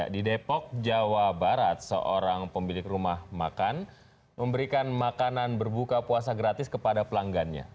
di depok jawa barat seorang pemilik rumah makan memberikan makanan berbuka puasa gratis kepada pelanggannya